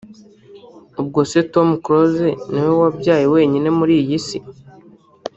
Ubwo se Tom Close niwe wabyaye wenyine muri iyi si